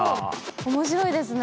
お面白いですね。